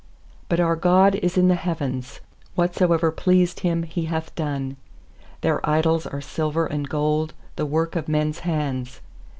3But our God is in the heavens; Whatsoever pleased Him He hath done. 4Their idols are silver and gold, The work of men's hands.